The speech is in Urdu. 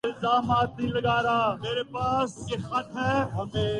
اقوام متحدہ کی ایک شاخ ہے